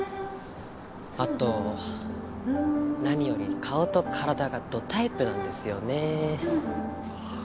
あと何より顔と体がどタイプなんですよね。